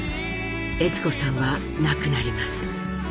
悦子さんは亡くなります。